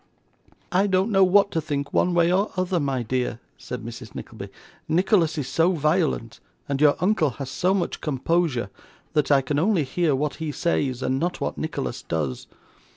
'I don't know what to think, one way or other, my dear,' said Mrs Nickleby; 'Nicholas is so violent, and your uncle has so much composure, that I can only hear what he says, and not what Nicholas does.